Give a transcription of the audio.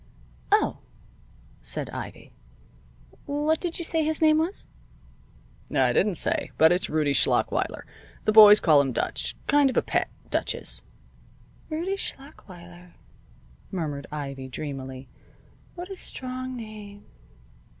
"Oh," said Ivy. "What did you say his name was?" "I didn't say. But it's Rudie Schlachweiler. The boys call him Dutch. Kind of a pet, Dutch is." "Rudie Schlachweiler!" murmured Ivy, dreamily. "What a strong name!"